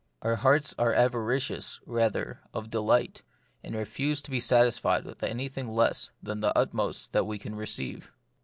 Our hearts are avaricious, rather, of delight, and refuse to be satisfied with anything less than the utmost that we can receive.